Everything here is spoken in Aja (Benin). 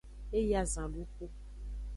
E yi azanduxu.